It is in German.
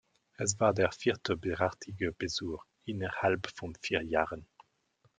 Es war der vierte derartige Besuch innerhalb von vier Jahren.